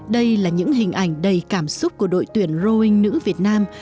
đây là những hình ảnh đầy cảm xúc của đội tuyển roing nữ việt nam